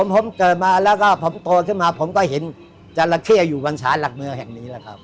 ผมเกิดมาแล้วก็ผมโตขึ้นมาผมก็เห็นจราเข้อยู่บนศาลหลักเมืองแห่งนี้แหละครับ